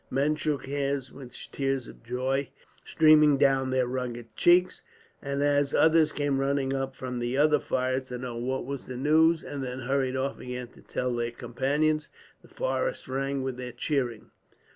Men shook hands, with tears of joy streaming down their rugged cheeks; and as others came running up from the other fires, to know what was the news, and then hurried off again to tell their companions, the forest rang with their cheering.